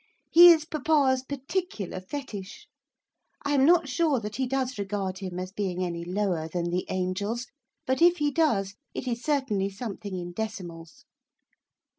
He is papa's particular fetish. I am not sure that he does regard him as being any lower than the angels, but if he does it is certainly something in decimals.